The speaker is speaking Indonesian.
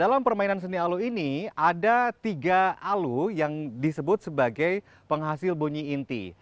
dalam permainan seni alu ini ada tiga alu yang disebut sebagai penghasil bunyi inti